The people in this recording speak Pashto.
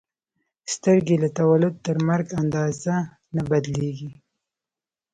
سترګې له تولد تر مرګ اندازه نه بدلېږي.